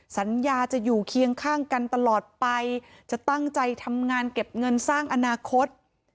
สัญญาจะอยู่เคียงข้างกันตลอดไปจะตั้งใจทำงานเก็บเงินสร้างอนาคต